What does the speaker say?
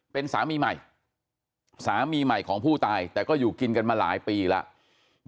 เป็นสามีใหม่สามีใหม่ของผู้ตายแต่ก็อยู่กินกันมาหลายปีแล้ว